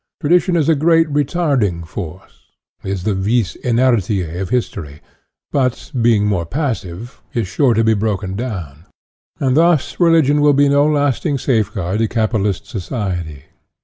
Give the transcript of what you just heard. Tradition is a great \ retarding force, is the vis inertia of history, but, being merely passive, is sure to be broken down ; and thus religion will be no lasting safeguard to capi/alist society.